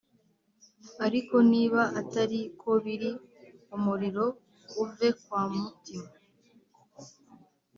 Ariko niba atari ko biri umuriro uve kwamutima